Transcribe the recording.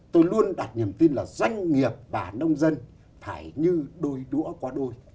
tôi luôn đặt niềm tin là doanh nghiệp và nông dân phải như đôi đũa qua đôi